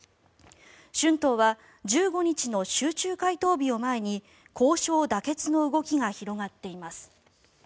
春闘は１５日の集中回答日を前に交渉妥結の動きが広がっています。